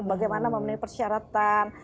bagaimana memenuhi persyaratan